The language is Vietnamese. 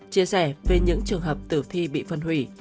chia sẻ về những trường hợp tử thi bị phân hủy